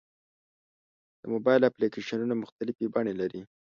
د موبایل اپلیکیشنونه مختلفې بڼې لري.